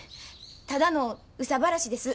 ただの憂さ晴らしです。